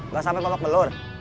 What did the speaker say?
gak sampai bawa pelur